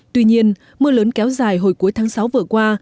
tuy nhiên mưa lớn kéo dài hồi cuối tháng sáu vừa qua